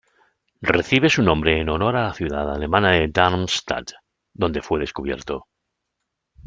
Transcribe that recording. Recibe su nombre en honor a la ciudad alemana de Darmstadt donde fue descubierto.